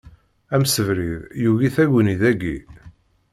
Amsebrid yugi taguni dagi.